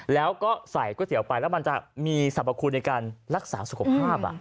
แล้วก็ใส่ก๋วยเตี๋ยวไปแล้วมันจะมีสรรพคุณในการรักษาสุขภาพ